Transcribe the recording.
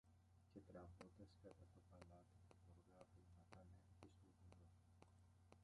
και τραβώντας κατά το παλάτι, με γοργά βήματα ανέβηκε στο βουνό